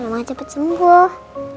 mbak ma cepet sembuh